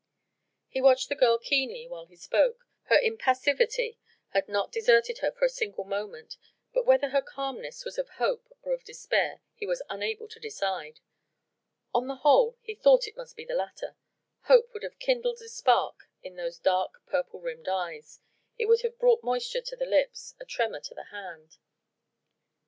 He watched the girl keenly while he spoke. Her impassivity had not deserted her for a single moment: but whether her calmness was of hope or of despair he was unable to decide. On the whole he thought it must be the latter: hope would have kindled a spark in those dark, purple rimmed eyes, it would have brought moisture to the lips, a tremor to the hand.